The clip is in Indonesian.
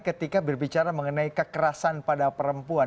ketika berbicara mengenai kekerasan pada perempuan